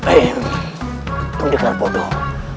eh pendekar bodoh